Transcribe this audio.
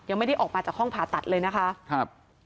ยังไม่ได้ออกมาจากห้องผ่าตัดเลยนะคะครับ